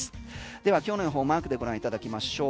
では、今日の予報マークでご覧いただきましょう。